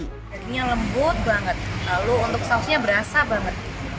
jadinya lembut banget lalu untuk sausnya berasa banget